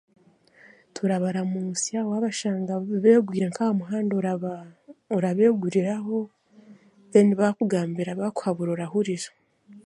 Turabaramusya twashanga begwire aha muhanda orabeeguriraho then baakugambira bakuhabura orahurira